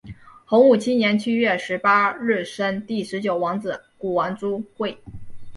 洪武七年七月十八日生第十九皇子谷王朱橞。